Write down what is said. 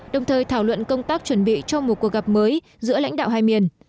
đồng thời thảo luận công tác chuẩn bị cho một cuộc gặp mới giữa lãnh đạo hai miền